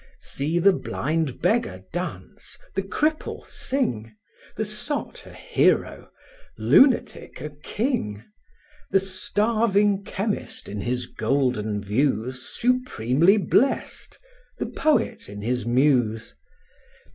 See the blind beggar dance, the cripple sing, The sot a hero, lunatic a king; The starving chemist in his golden views Supremely blest, the poet in his muse.